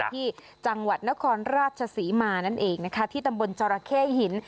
ที่จังหวัดนครราชศรีมานั่นเองนะคะที่ตำบลจราเข้หิน